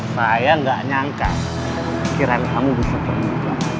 saya gak nyangka kirain kamu bisa terima